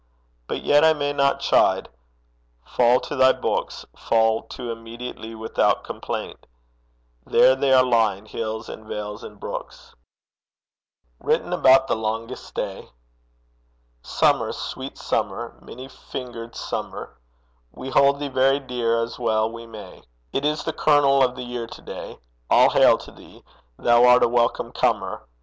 But yet I may not, chide: fall to thy books, Fall to immediately without complaint There they are lying, hills and vales and brooks. WRITTEN ABOUT THE LONGEST DAY. Summer, sweet Summer, many fingered Summer! We hold thee very dear, as well we may: It is the kernel of the year to day All hail to thee! Thou art a welcome corner!